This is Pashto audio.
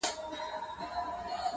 پر چمن باندي له دریو خواوو -